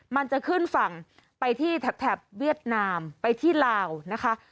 มันจะขึ้นฝั่งไปที่แถบเวียดนามไปที่ลาวนะคะ